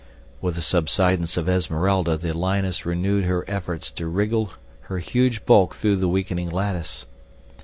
With the subsidence of Esmeralda the lioness renewed her efforts to wriggle her huge bulk through the weakening lattice.